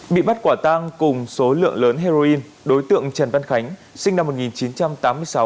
bị bắt quả tang cùng số lượng lớn heroin đối tượng trần văn khánh sinh năm một nghìn chín trăm tám mươi sáu